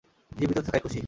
জীবিত থাকায় খুশি।